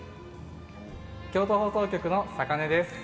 京都放送局の坂根です。